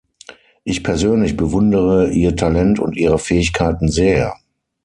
Ich persönlich bewundere Ihr Talent und Ihre Fähigkeiten sehr.